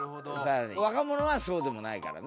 若者はそうでもないからね。